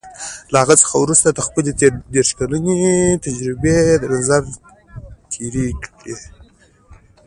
تر هغه وروسته هغه خپلې دېرش کلنې تجربې تر نظر تېرې کړې.